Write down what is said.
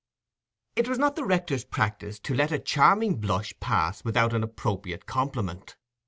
It was not the rector's practice to let a charming blush pass without an appropriate compliment.